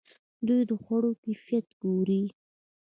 دوی د خوړو کیفیت ګوري.